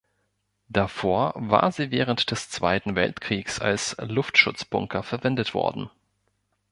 Davor war sie während des Zweiten Weltkriegs als Luftschutzbunker verwendet worden.